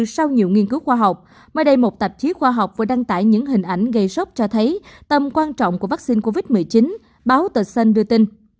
sau nhiều nghiên cứu khoa học mới đây một tạp chí khoa học vừa đăng tải những hình ảnh gây sốc cho thấy tầm quan trọng của vaccine covid một mươi chín báo tờ sân đưa tin